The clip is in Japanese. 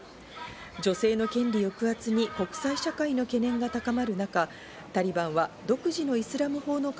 女性の権利抑圧に国際社会の懸念が高まる中、タリバンは独自のイスラム法の解